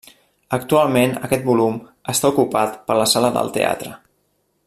Actualment aquest volum està ocupat per la sala del teatre.